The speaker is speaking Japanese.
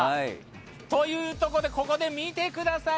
というところで、見てください！